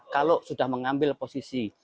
kalau sudah mengambil posisi